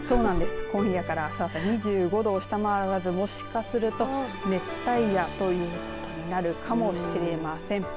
今夜からあす朝２５度を下回らずもしかすると熱帯夜ということになるかもしれません。